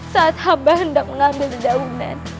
saat amba hendak mengambil daunan